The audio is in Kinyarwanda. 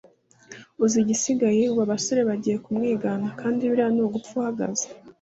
uzi igisigaye ubu abasore bagiye kumwigana kandi biriya nugupfa uhagaze